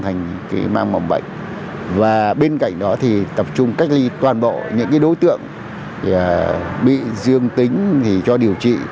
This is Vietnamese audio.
bằng bệnh và bên cạnh đó thì tập trung cách ly toàn bộ những đối tượng bị dương tính cho điều trị